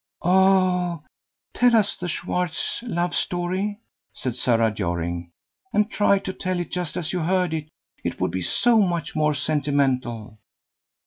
"Oh tell us the Schwartz love story!" said Sarah Jorring, "and try to tell it just as you heard it; it would be so much more sentimental."